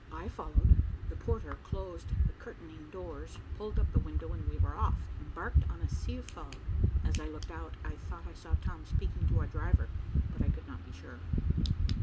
I followed, the porter closed the curtaining doors, pulled up the window, and we were off, embarked on a sea of fog. As I looked out, I thought I saw Tom speaking to our driver, but I could not be sure.